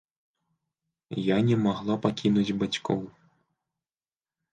Я не магла пакінуць бацькоў.